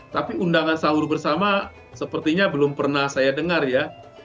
tapi undangan sahur bersama sepertinya belum pernah saya dengar ya